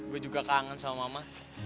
gue juga kangen sama mama